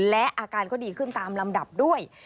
และอาการก็ดีขึ้นตามลำดับด้วย